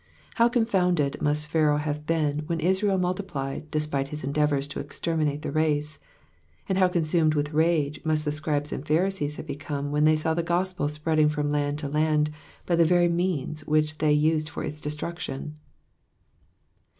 How confounded must Pharaoh have been when Israel multiplied, despite his en deavours to exterminate the race ; and how consumed with rage must the Scribes and Pharisees have become when they saw the gospel spreading from land to land by the very means which they used for its destruction.